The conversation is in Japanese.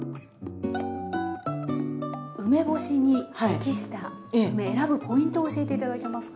梅干しに適した梅選ぶポイントを教えて頂けますか？